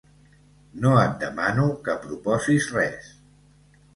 No et demano que proposis res.